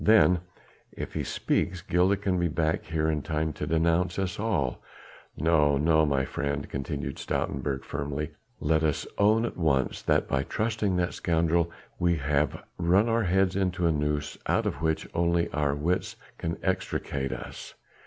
"Then, if he speaks, Gilda can be back here in time to denounce us all. No, no, my friend," continued Stoutenburg firmly, "let us own at once that by trusting that scoundrel we have run our heads into a noose out of which only our wits can extricate us.